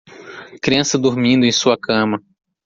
criança dormindo em sua cama.